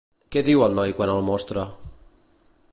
Què diu el noi quan el mostra?